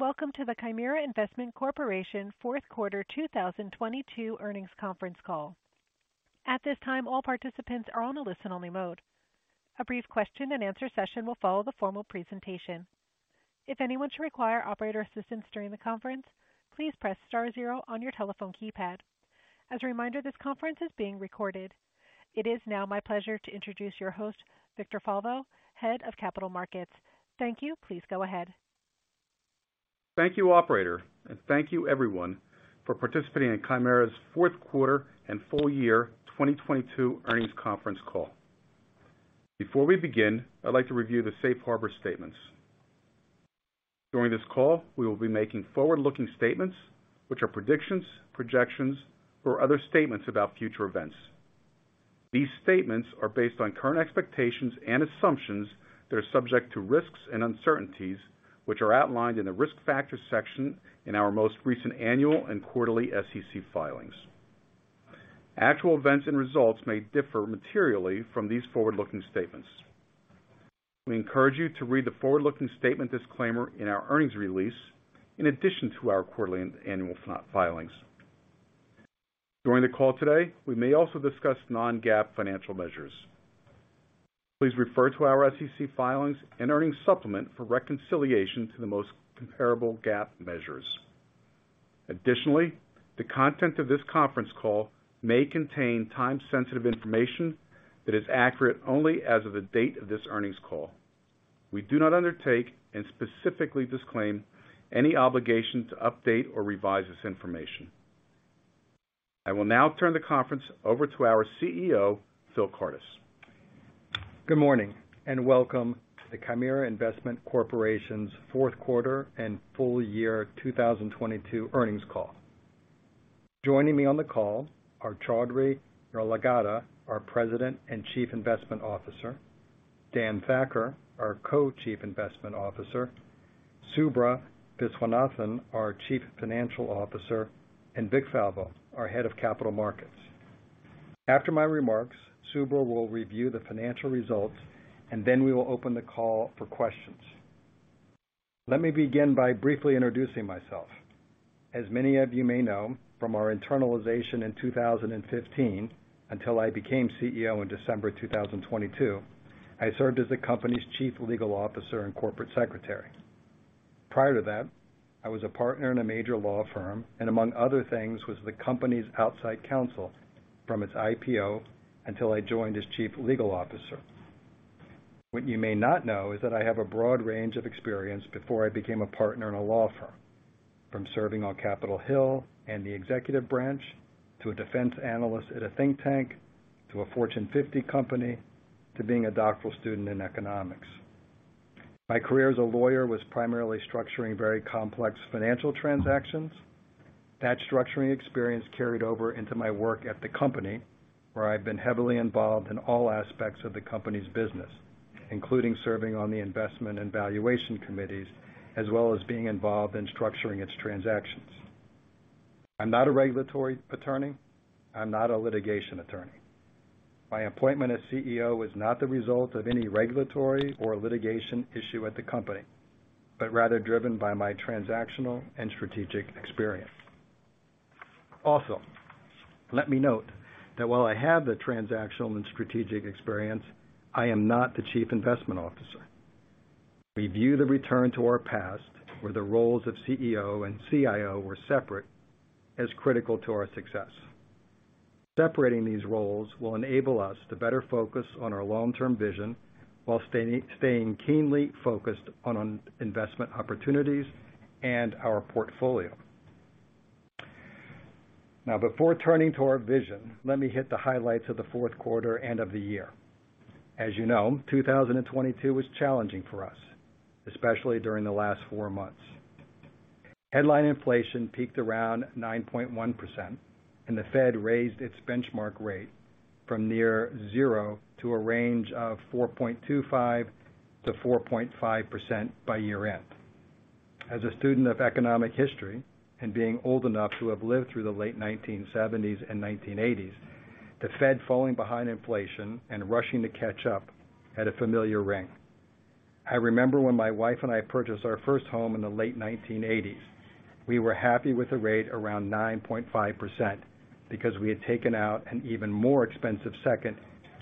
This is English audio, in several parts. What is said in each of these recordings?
Welcome to the Chimera Investment Corporation fourth quarter 2022 earnings conference call. At this time, all participants are on a listen-only mode. A brief question and answer session will follow the formal presentation. If anyone should require operator assistance during the conference, please press star zero on your telephone keypad. As a reminder, this conference is being recorded. It is now my pleasure to introduce your host, Victor Falvo, Head of Capital Markets. Thank you. Please go ahead. Thank you, operator, and thank you everyone for participating in Chimera's 4th quarter and full year 2022 earnings conference call. Before we begin, I'd like to review the safe harbor statements. During this call, we will be making forward-looking statements, which are predictions, projections, or other statements about future events. These statements are based on current expectations and assumptions that are subject to risks and uncertainties, which are outlined in the Risk Factors section in our most recent annual and quarterly SEC filings. Actual events and results may differ materially from these forward-looking statements. We encourage you to read the forward-looking statement disclaimer in our earnings release in addition to our quarterly and annual filings. During the call today, we may also discuss non-GAAP financial measures. Please refer to our SEC filings and earnings supplement for reconciliation to the most comparable GAAP measures. Additionally, the content of this conference call may contain time-sensitive information that is accurate only as of the date of this earnings call. We do not undertake and specifically disclaim any obligation to update or revise this information. I will now turn the conference over to our CEO, Phillip Kardis. Good morning, and welcome to the Chimera Investment Corporation's fourth quarter and full year 2022 earnings call. Joining me on the call are Choudhary Yarlagadda, our President and Chief Investment Officer, Dan Thakkar, our Co-Chief Investment Officer, Subra Viswanathan, our Chief Financial Officer, and Vic Falvo, our Head of Capital Markets. After my remarks, Subra will review the financial results, and then we will open the call for questions. Let me begin by briefly introducing myself. As many of you may know from our internalization in 2015 until I became CEO in December 2022, I served as the company's Chief Legal Officer and Corporate Secretary. Prior to that, I was a Partner in a major law firm, and among other things, was the company's outside counsel from its IPO until I joined as Chief Legal Officer. What you may not know is that I have a broad range of experience before I became a partner in a law firm, from serving on Capitol Hill and the executive branch to a defense analyst at a think tank, to a Fortune 50 company, to being a doctoral student in economics. My career as a lawyer was primarily structuring very complex financial transactions. That structuring experience carried over into my work at the company, where I've been heavily involved in all aspects of the company's business, including serving on the investment and valuation committees, as well as being involved in structuring its transactions. I'm not a regulatory attorney. I'm not a litigation attorney. My appointment as CEO was not the result of any regulatory or litigation issue at the company, but rather driven by my transactional and strategic experience. Let me note that while I have the transactional and strategic experience, I am not the Chief Investment Officer. We view the return to our past, where the roles of CEO and CIO were separate as critical to our success. Separating these roles will enable us to better focus on our long-term vision while staying keenly focused on investment opportunities and our portfolio. Before turning to our vision, let me hit the highlights of the fourth quarter and of the year. As you know, 2022 was challenging for us, especially during the last four months. Headline inflation peaked around 9.1%, and the Fed raised its benchmark rate from near zero to a range of 4.25%-4.5% by year-end. As a student of economic history and being old enough to have lived through the late 1970s and 1980s, the Fed falling behind inflation and rushing to catch up had a familiar ring. I remember when my wife and I purchased our first home in the late 1980s. We were happy with the rate around 9.5% because we had taken out an even more expensive second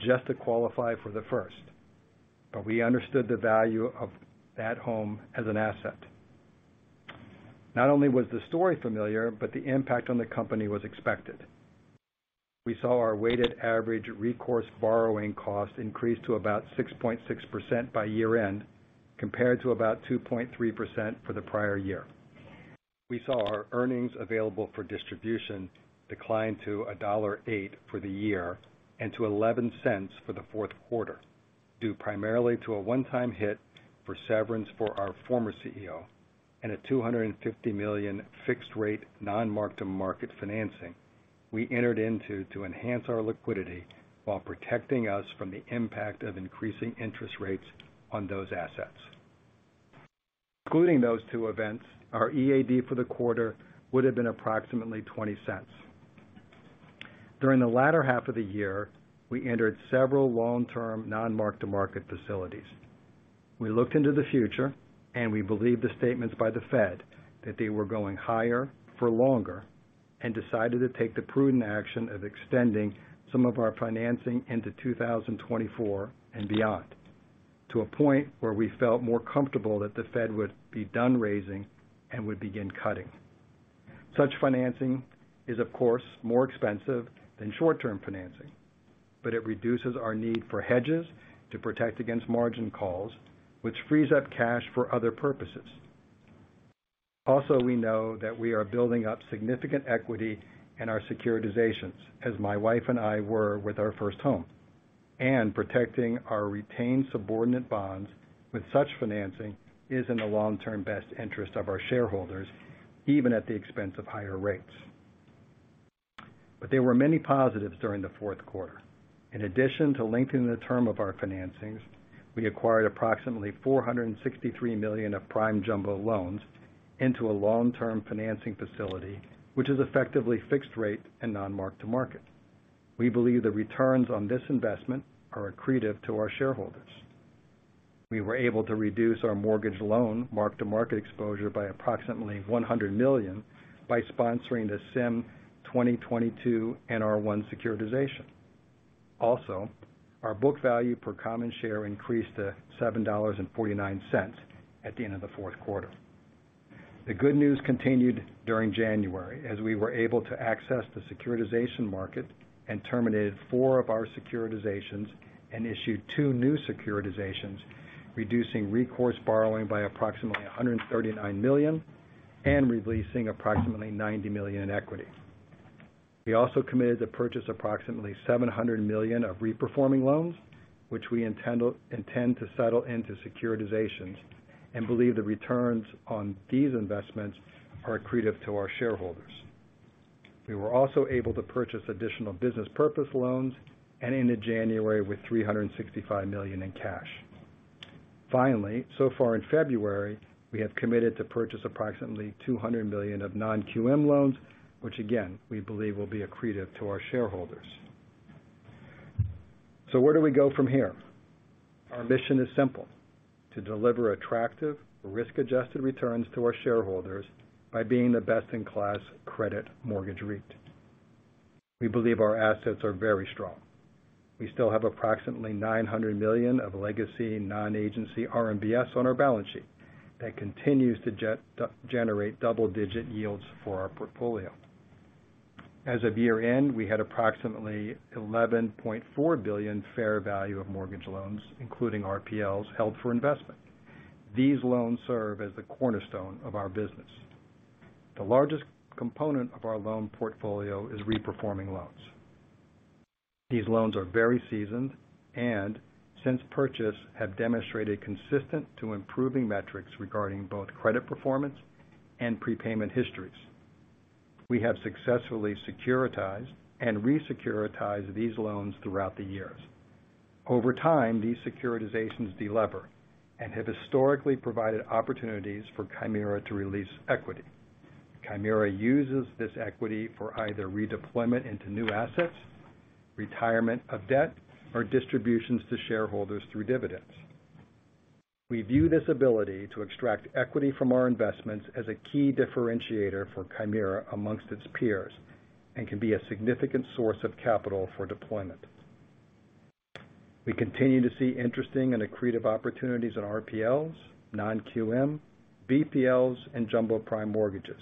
just to qualify for the first. We understood the value of that home as an asset. Not only was the story familiar, but the impact on the company was expected. We saw our weighted average recourse borrowing cost increase to about 6.6% by year-end, compared to about 2.3% for the prior year. We saw our earnings available for distribution decline to $1.08 for the year and to $0.11 for the fourth quarter, due primarily to a one-time hit for severance for our former CEO and a $250 million fixed rate non-mark-to-market financing we entered into to enhance our liquidity while protecting us from the impact of increasing interest rates on those assets. Excluding those two events, our EAD for the quarter would have been approximately $0.20. During the latter half of the year, we entered several long-term non-mark-to-market facilities. We looked into the future, and we believe the statements by the Fed that they were going higher for longer and decided to take the prudent action of extending some of our financing into 2024 and beyond to a point where we felt more comfortable that the Fed would be done raising and would begin cutting. Such financing is, of course, more expensive than short-term financing, but it reduces our need for hedges to protect against margin calls, which frees up cash for other purposes. We know that we are building up significant equity in our securitizations, as my wife and I were with our first home, and protecting our retained subordinate bonds with such financing is in the long-term best interest of our shareholders, even at the expense of higher rates. There were many positives during the fourth quarter. In addition to lengthening the term of our financings, we acquired approximately $463 million of prime jumbo loans into a long-term financing facility, which is effectively fixed rate and non-mark-to-market. We believe the returns on this investment are accretive to our shareholders. We were able to reduce our mortgage loan mark-to-market exposure by approximately $100 million by sponsoring the CIM 2022-NR1 securitization. Our book value per common share increased to $7.49 at the end of the fourth quarter. The good news continued during January as we were able to access the securitization market and terminated four of our securitizations and issued two new securitizations, reducing recourse borrowing by approximately $139 million and releasing approximately $90 million in equity. We also committed to purchase approximately $700 million of reperforming loans, which we intend to settle into securitizations and believe the returns on these investments are accretive to our shareholders. We were also able to purchase additional business purpose loans and ended January with $365 million in cash. So far in February, we have committed to purchase approximately $200 million of non-QM loans, which again, we believe will be accretive to our shareholders. Where do we go from here? Our mission is simple, to deliver attractive risk-adjusted returns to our shareholders by being the best-in-class credit mortgage REIT. We believe our assets are very strong. We still have approximately $900 million of legacy non-agency RMBS on our balance sheet that continues to generate double-digit yields for our portfolio. As of year-end, we had approximately $11.4 billion fair value of mortgage loans, including RPLs held for investment. These loans serve as the cornerstone of our business. The largest component of our loan portfolio is reperforming loans. These loans are very seasoned, and since purchase, have demonstrated consistent to improving metrics regarding both credit performance and prepayment histories. We have successfully securitized and re-securitized these loans throughout the years. Over time, these securitizations de-lever and have historically provided opportunities for Chimera to release equity. Chimera uses this equity for either redeployment into new assets, retirement of debt, or distributions to shareholders through dividends. We view this ability to extract equity from our investments as a key differentiator for Chimera amongst its peers and can be a significant source of capital for deployment. We continue to see interesting and accretive opportunities in RPLs, non-QM, BPLs, and jumbo prime mortgages.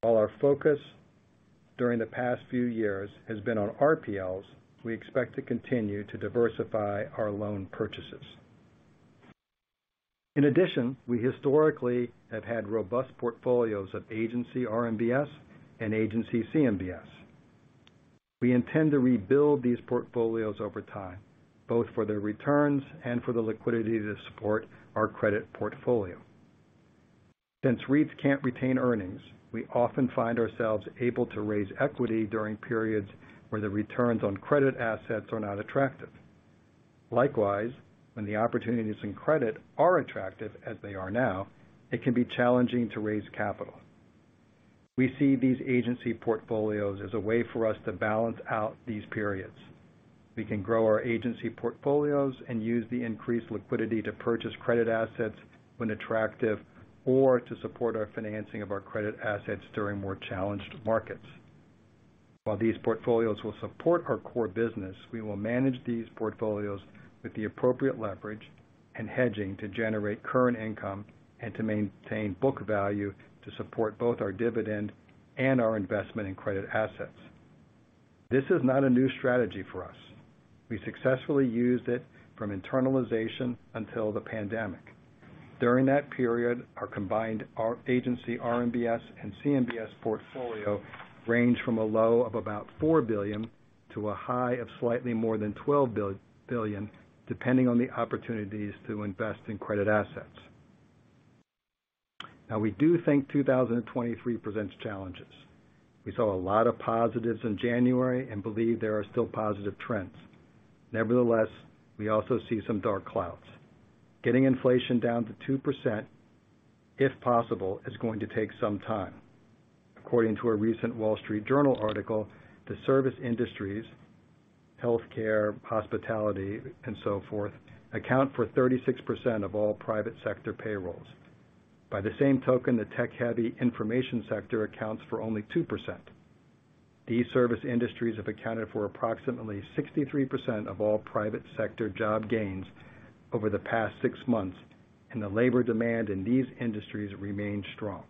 While our focus during the past few years has been on RPLs, we expect to continue to diversify our loan purchases. In addition, we historically have had robust portfolios of agency RMBS and agency CMBS. We intend to rebuild these portfolios over time, both for their returns and for the liquidity to support our credit portfolio. Since REITs can't retain earnings, we often find ourselves able to raise equity during periods where the returns on credit assets are not attractive. Likewise, when the opportunities in credit are attractive, as they are now, it can be challenging to raise capital. We see these agency portfolios as a way for us to balance out these periods. We can grow our agency portfolios and use the increased liquidity to purchase credit assets when attractive or to support our financing of our credit assets during more challenged markets. While these portfolios will support our core business, we will manage these portfolios with the appropriate leverage and hedging to generate current income and to maintain book value to support both our dividend and our investment in credit assets. This is not a new strategy for us. We successfully used it from internalization until the pandemic. During that period, our combined agency RMBS and CMBS portfolio ranged from a low of about $4 billion to a high of slightly more than $12 billion, depending on the opportunities to invest in credit assets. We do think 2023 presents challenges. We saw a lot of positives in January and believe there are still positive trends. Nevertheless, we also see some dark clouds. Getting inflation down to 2%. If possible, it's going to take some time. According to a recent Wall Street Journal article, the service industries, healthcare, hospitality, and so forth account for 36% of all private sector payrolls. By the same token, the tech-heavy information sector accounts for only 2%. These service industries have accounted for approximately 63% of all private sector job gains over the past six months, and the labor demand in these industries remains strong.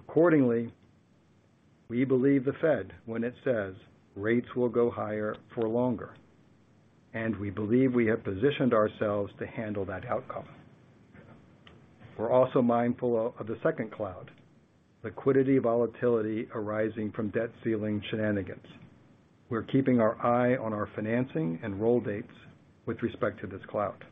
Accordingly, we believe the Fed when it says rates will go higher for longer, and we believe we have positioned ourselves to handle that outcome. We're also mindful of the second cloud, liquidity volatility arising from debt ceiling shenanigans. We're keeping our eye on our financing and roll dates with respect to this cloud.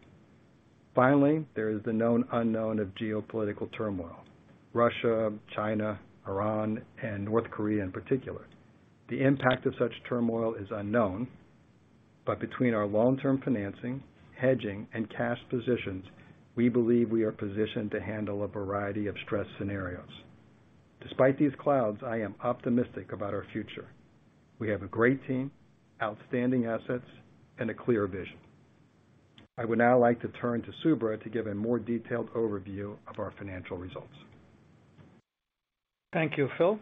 Finally, there is the known unknown of geopolitical turmoil, Russia, China, Iran, and North Korea in particular. The impact of such turmoil is unknown, between our long-term financing, hedging, and cash positions, we believe we are positioned to handle a variety of stress scenarios. Despite these clouds, I am optimistic about our future. We have a great team, outstanding assets, and a clear vision. I would now like to turn to Subra to give a more detailed overview of our financial results. Thank you, Phil.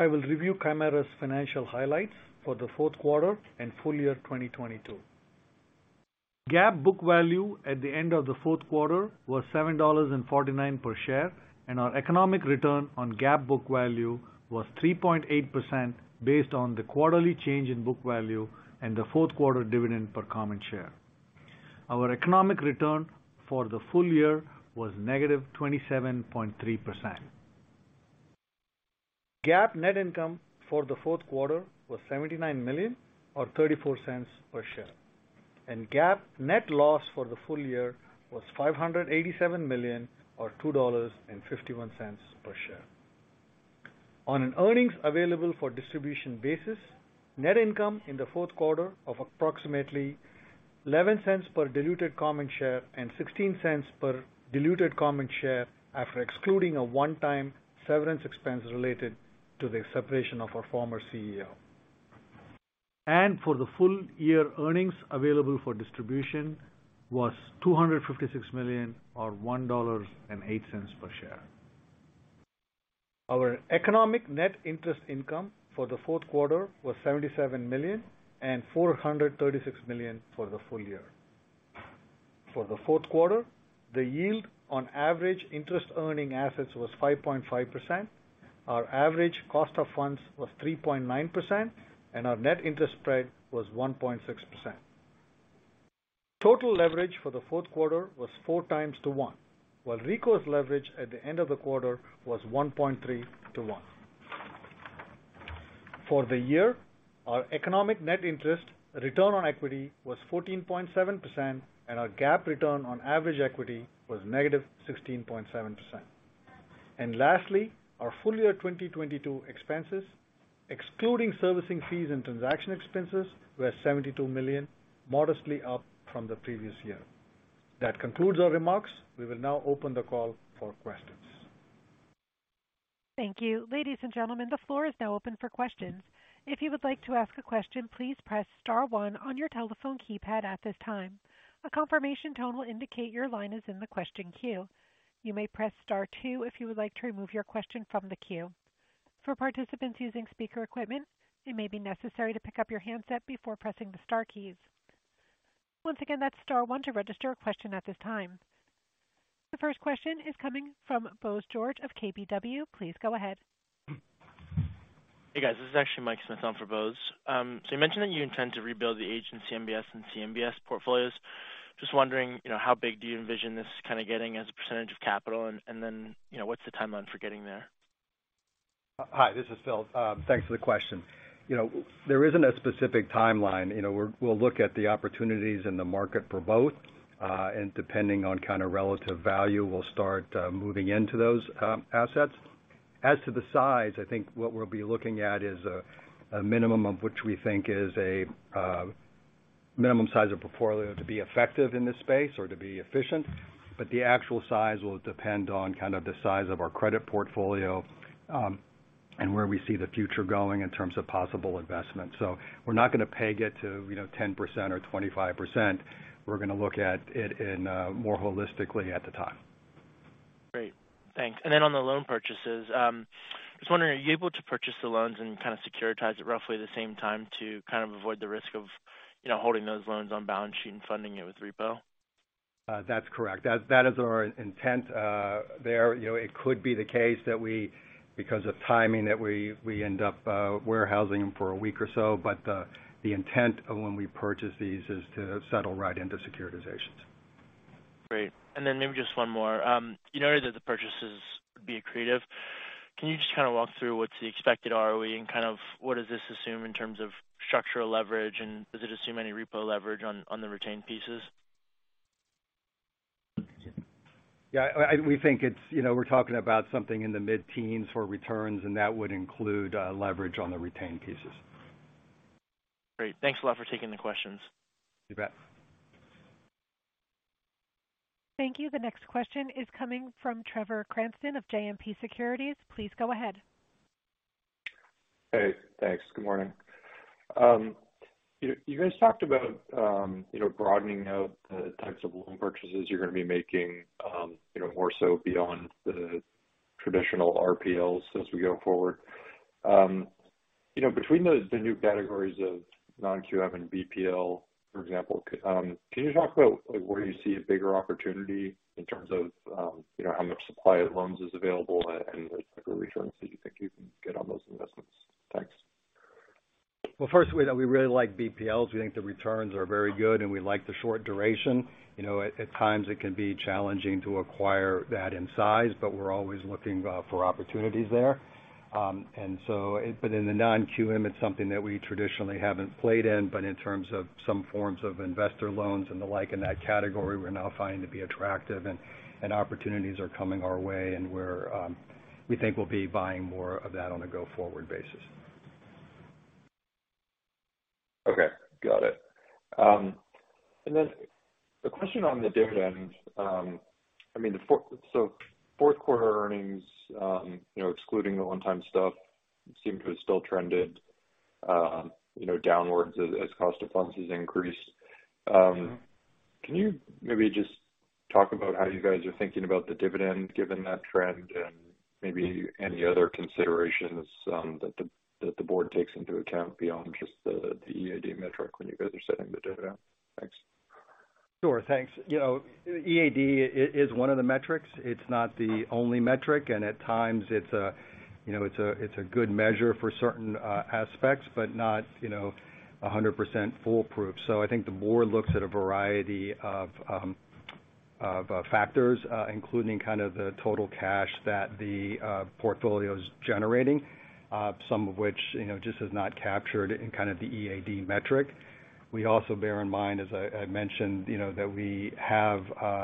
I will review Chimera's financial highlights for the fourth quarter and full year 2022. GAAP book value at the end of the fourth quarter was $7.49 per share, and our economic return on GAAP book value was 3.8% based on the quarterly change in book value and the fourth-quarter dividend per common share. Our economic return for the full year was -27.3%. GAAP net income for the fourth quarter was $79 million or $0.34 per share, and GAAP net loss for the full year was $587 million or $2.51 per share. On an Earnings Available for Distribution basis, net income in the fourth quarter of approximately $0.11 per diluted common share and $0.16 per diluted common share after excluding a one-time severance expense related to the separation of our former CEO. For the full-year Earnings Available for Distribution was $256 million or $1.08 per share. Our Economic net interest income for the fourth quarter was $77 million and $436 million for the full year. For the fourth quarter, the yield on average interest earning assets was 5.5%. Our average cost of funds was 3.9%, and our net interest spread was 1.6%. Total leverage for the fourth quarter was 4x to 1, while recourse leverage at the end of the quarter was 1.3 to 1. For the year, our economic net interest return on equity was 14.7%. Our GAAP return on average equity was negative 16.7%. Lastly, our full year 2022 expenses, excluding servicing fees and transaction expenses, were $72 million, modestly up from the previous year. That concludes our remarks. We will now open the call for questions. Thank you. Ladies and gentlemen, the floor is now open for questions. If you would like to ask a question, please press star one on your telephone keypad at this time. A confirmation tone will indicate your line is in the question queue. You may press star two if you would like to remove your question from the queue. For participants using speaker equipment, it may be necessary to pick up your handset before pressing the star keys. Once again, that's star one to register a question at this time. The first question is coming from Bose George of KBW. Please go ahead. Hey, guys. This is actually Mike Smyth on for Bose. You mentioned that you intend to rebuild the agency MBS and CMBS portfolios. Just wondering, you know, how big do you envision this kind of getting as a percentage of capital? Then, you know, what's the timeline for getting there? Hi, this is Phil. Thanks for the question. You know, there isn't a specific timeline. You know, we'll look at the opportunities in the market for both, and depending on kind of relative value, we'll start moving into those assets. As to the size, I think what we'll be looking at is a minimum of which we think is a minimum size of portfolio to be effective in this space or to be efficient. The actual size will depend on kind of the size of our credit portfolio, and where we see the future going in terms of possible investments. We're not gonna peg it to, you know, 10% or 25%. We're gonna look at it in more holistically at the time. Great. Thanks. On the loan purchases, just wondering, are you able to purchase the loans and kind of securitize it roughly the same time to kind of avoid the risk of, you know, holding those loans on balance sheet and funding it with repo? That's correct. That is our intent. There, you know, it could be the case that we because of timing, that we end up, warehousing them for a week or so. The intent of when we purchase these is to settle right into securitizations. Great. Maybe just one more. You noted that the purchases would be accretive. Can you just kind of walk through what's the expected ROE and kind of what does this assume in terms of structural leverage? Does it assume any repo leverage on the retained pieces? Yeah, we think it's, you know, we're talking about something in the mid-teens for returns, and that would include leverage on the retained pieces. Great. Thanks a lot for taking the questions. You bet. Thank you. The next question is coming from Trevor Cranston of JMP Securities. Please go ahead. Hey, thanks. Good morning. You guys talked about, you know, broadening out the types of loan purchases you're gonna be making, you know, more so beyond the traditional RPLs as we go forward. You know, between the new categories of non-QM and BPL, for example, can you talk about where you see a bigger opportunity in terms of, you know, how much supply of loans is available and the type of returns that you think you can get on those investments? Thanks. Well, first, we really like BPLs. We think the returns are very good. We like the short duration. You know, at times it can be challenging to acquire that in size. We're always looking for opportunities there. In the non-QM, it's something that we traditionally haven't played in, but in terms of some forms of investor loans and the like in that category, we're now finding to be attractive and opportunities are coming our way, and we're we think we'll be buying more of that on a go-forward basis. Okay. Got it. The question on the dividend, I mean, so fourth quarter earnings, you know, excluding the one-time stuff seemed to have still trended, you know, downwards as cost of funds has increased. Can you maybe just talk about how you guys are thinking about the dividend given that trend and maybe any other considerations that the board takes into account beyond just the EAD metric when you guys are setting the dividend? Thanks. Sure. Thanks. You know, EAD is one of the metrics. It's not the only metric, and at times it's, you know, a good measure for certain aspects, but not, you know, 100% foolproof. I think the board looks at a variety of factors, including kind of the total cash that the portfolio is generating, some of which, you know, just is not captured in kind of the EAD metric. We also bear in mind, as I mentioned, you know, that we have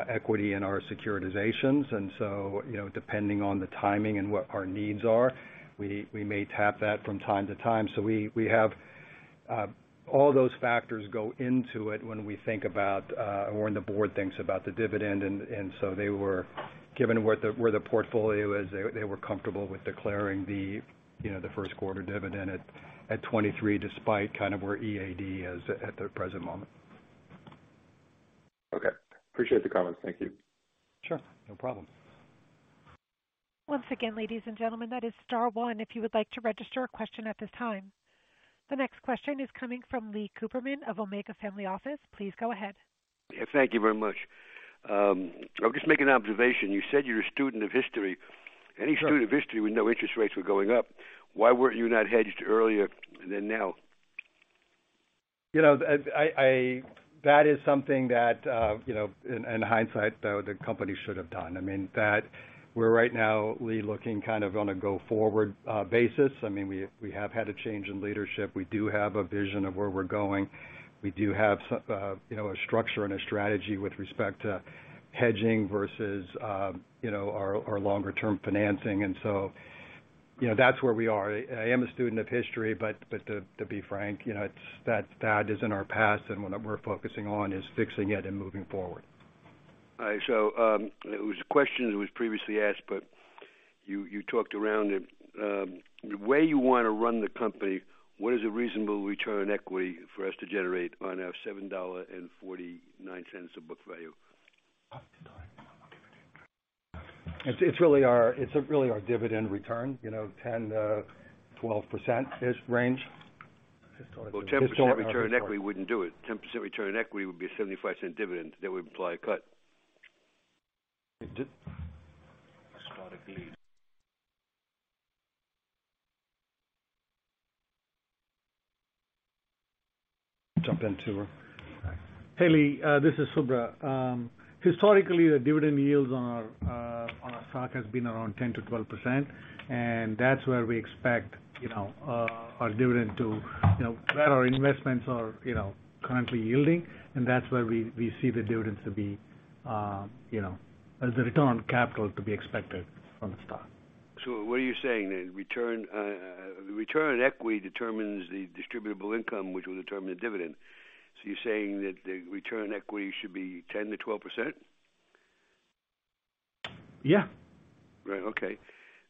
equity in our securitizations. You know, depending on the timing and what our needs are, we may tap that from time to time. We have all those factors go into it when we think about or when the board thinks about the dividend. They were given where the portfolio is, they were comfortable with declaring the, you know, the first quarter dividend at $0.23 despite kind of where EAD is at the present moment. Okay. Appreciate the comments. Thank you. Sure. No problem. Once again, ladies and gentlemen, that is star one, if you would like to register a question at this time. The next question is coming from Lee Cooperman of Omega Family Office. Please go ahead. Thank you very much. I'll just make an observation. You said you're a student of history. Sure. Any student of history would know interest rates were going up. Why weren't you not hedged earlier than now? You know, that is something that, you know, in hindsight, the company should have done. I mean, that we're right now really looking kind of on a go-forward basis. I mean, we have had a change in leadership. We do have a vision of where we're going. We do have, you know, a structure and a strategy with respect to hedging versus, you know, our longer-term financing. You know, that's where we are. I am a student of history, but to be frank, you know, that is in our past, and what we're focusing on is fixing it and moving forward. All right. It was a question that was previously asked, but you talked around it. The way you wanna run the company, what is a reasonable return on equity for us to generate on our $7.49 of book value? It's really our dividend return. You know, 10%-12%-ish range. Well, 10% return on equity wouldn't do it. 10% return on equity would be a $0.75 dividend. That would imply a cut. It did. Jump in too. Hey, Lee, this is Subra. Historically, the dividend yields on our, on our stock has been around 10%-12%, and that's where we expect, you know, our dividend to, you know, where our investments are, you know, currently yielding, and that's where we see the dividends to be, you know, as a return on capital to be expected from the stock. What are you saying then? The return on equity determines the distributable income, which will determine the dividend. You're saying that the return on equity should be 10%-12%? Yeah. Right. Okay.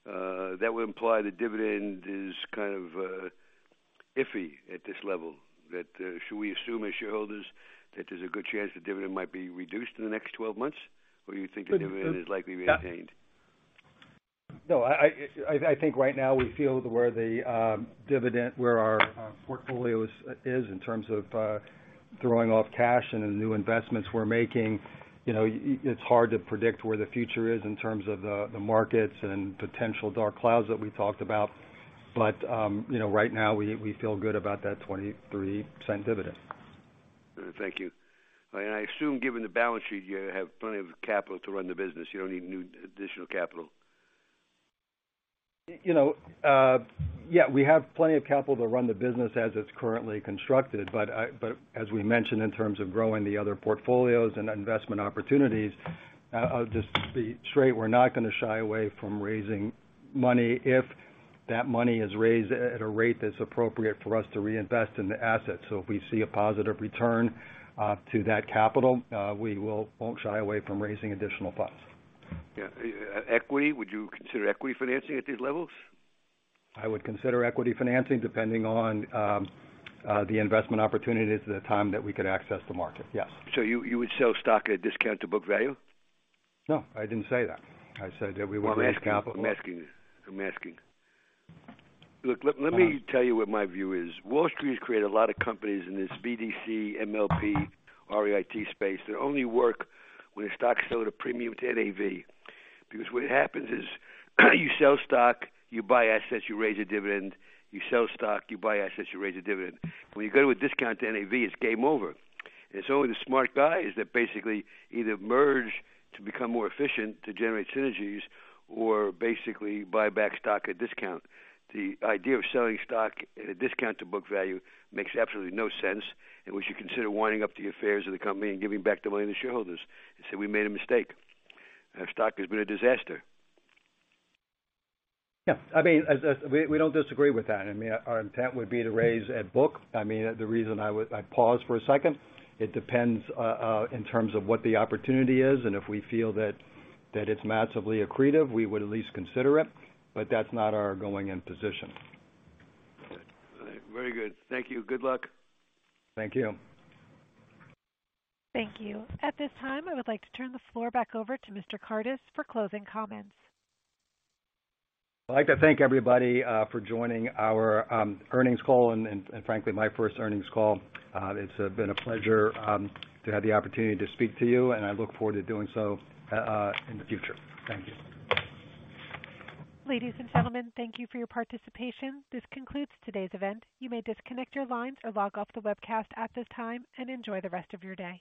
That would imply the dividend is kind of, iffy at this level. Should we assume as shareholders that there's a good chance the dividend might be reduced in the next 12 months? You think the dividend is likely to be obtained? No, I think right now we feel where the dividend, where our portfolio is in terms of throwing off cash and the new investments we're making. You know, it's hard to predict where the future is in terms of the markets and potential dark clouds that we talked about. You know, right now we feel good about that $0.23 dividend. Thank you. I assume, given the balance sheet, you have plenty of capital to run the business. You don't need new additional capital. You know, yeah, we have plenty of capital to run the business as it's currently constructed. As we mentioned in terms of growing the other portfolios and investment opportunities, I'll just be straight. We're not gonna shy away from raising money if that money is raised at a rate that's appropriate for us to reinvest in the asset. If we see a positive return, to that capital, we won't shy away from raising additional funds. Yeah. Equity, would you consider equity financing at these levels? I would consider equity financing depending on the investment opportunities at the time that we could access the market, yes. You would sell stock at a discount to book value? No, I didn't say that. I said that we would raise capital-. I'm asking. Look, let me tell you what my view is. Wall Street has created a lot of companies in this BDC, MLP, REIT space that only work when stocks sell at a premium to NAV. What happens is you sell stock, you buy assets, you raise a dividend. You sell stock, you buy assets, you raise a dividend. When you go to a discount to NAV, it's game over. It's only the smart guys that basically either merge to become more efficient, to generate synergies or basically buy back stock at a discount. The idea of selling stock at a discount to book value makes absolutely no sense. We should consider winding up the affairs of the company and giving back the money to shareholders and say, "We made a mistake. Our stock has been a disaster. I mean, as I said, we don't disagree with that. I mean, our intent would be to raise at book. I mean, the reason I paused for a second, it depends in terms of what the opportunity is, and if we feel that it's massively accretive, we would at least consider it, but that's not our going-in position. Very good. Thank you. Good luck. Thank you. Thank you. At this time, I would like to turn the floor back over to Mr. Kardis for closing comments. I'd like to thank everybody for joining our earnings call and frankly, my first earnings call. It's been a pleasure to have the opportunity to speak to you, and I look forward to doing so in the future. Thank you. Ladies and gentlemen, thank you for your participation. This concludes today's event. You may disconnect your lines or log off the webcast at this time, and enjoy the rest of your day.